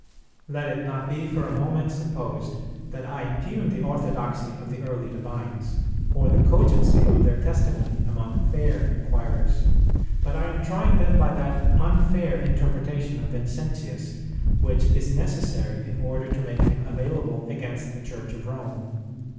Let it not be for a moment supposed that I impugn the orthodoxy of the early divines, or the cogency of their testimony among fair inquirers; but I am trying them by that unfair interpretation of Vincentius, which is necessary in order to make him available against the Church of Rome.